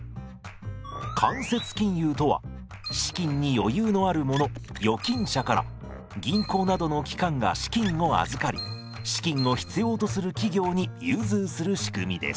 間接金融とは資金に余裕のある者預金者から銀行などの機関が資金を預かり資金を必要とする企業に融通する仕組みです。